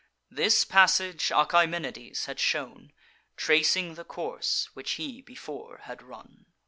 This passage Achaemenides had shown, Tracing the course which he before had run.